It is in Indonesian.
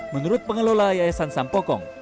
menurut pengelola yayasan sampokong